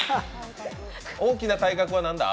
大きな体格は何だ？